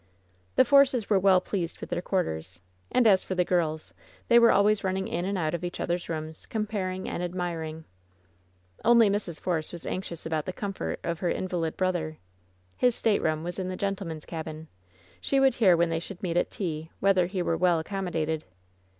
The Forces were well pleased with their quarters. And as for the girls, they were always running in and out of each other's rooms, comparing and admiring. Only Mrs. Force was anxious about the comfort of her invalid brother. His stateroom was in the gentlemen's cabin. She would hear when they should meet at tea whether he were well accommodated.